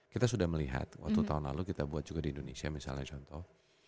kita sudah melihat waktu tahun lalu kita buat juga di indonesia misalnya contoh